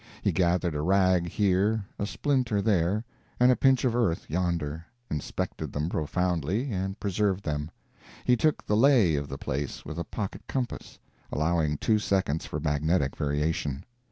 He gathered a rag here, a splinter there, and a pinch of earth yonder, inspected them profoundly, and preserved them. He took the "lay" of the place with a pocket compass, allowing two seconds for magnetic variation.